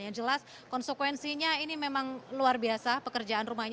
yang jelas konsekuensinya ini memang luar biasa pekerjaan rumahnya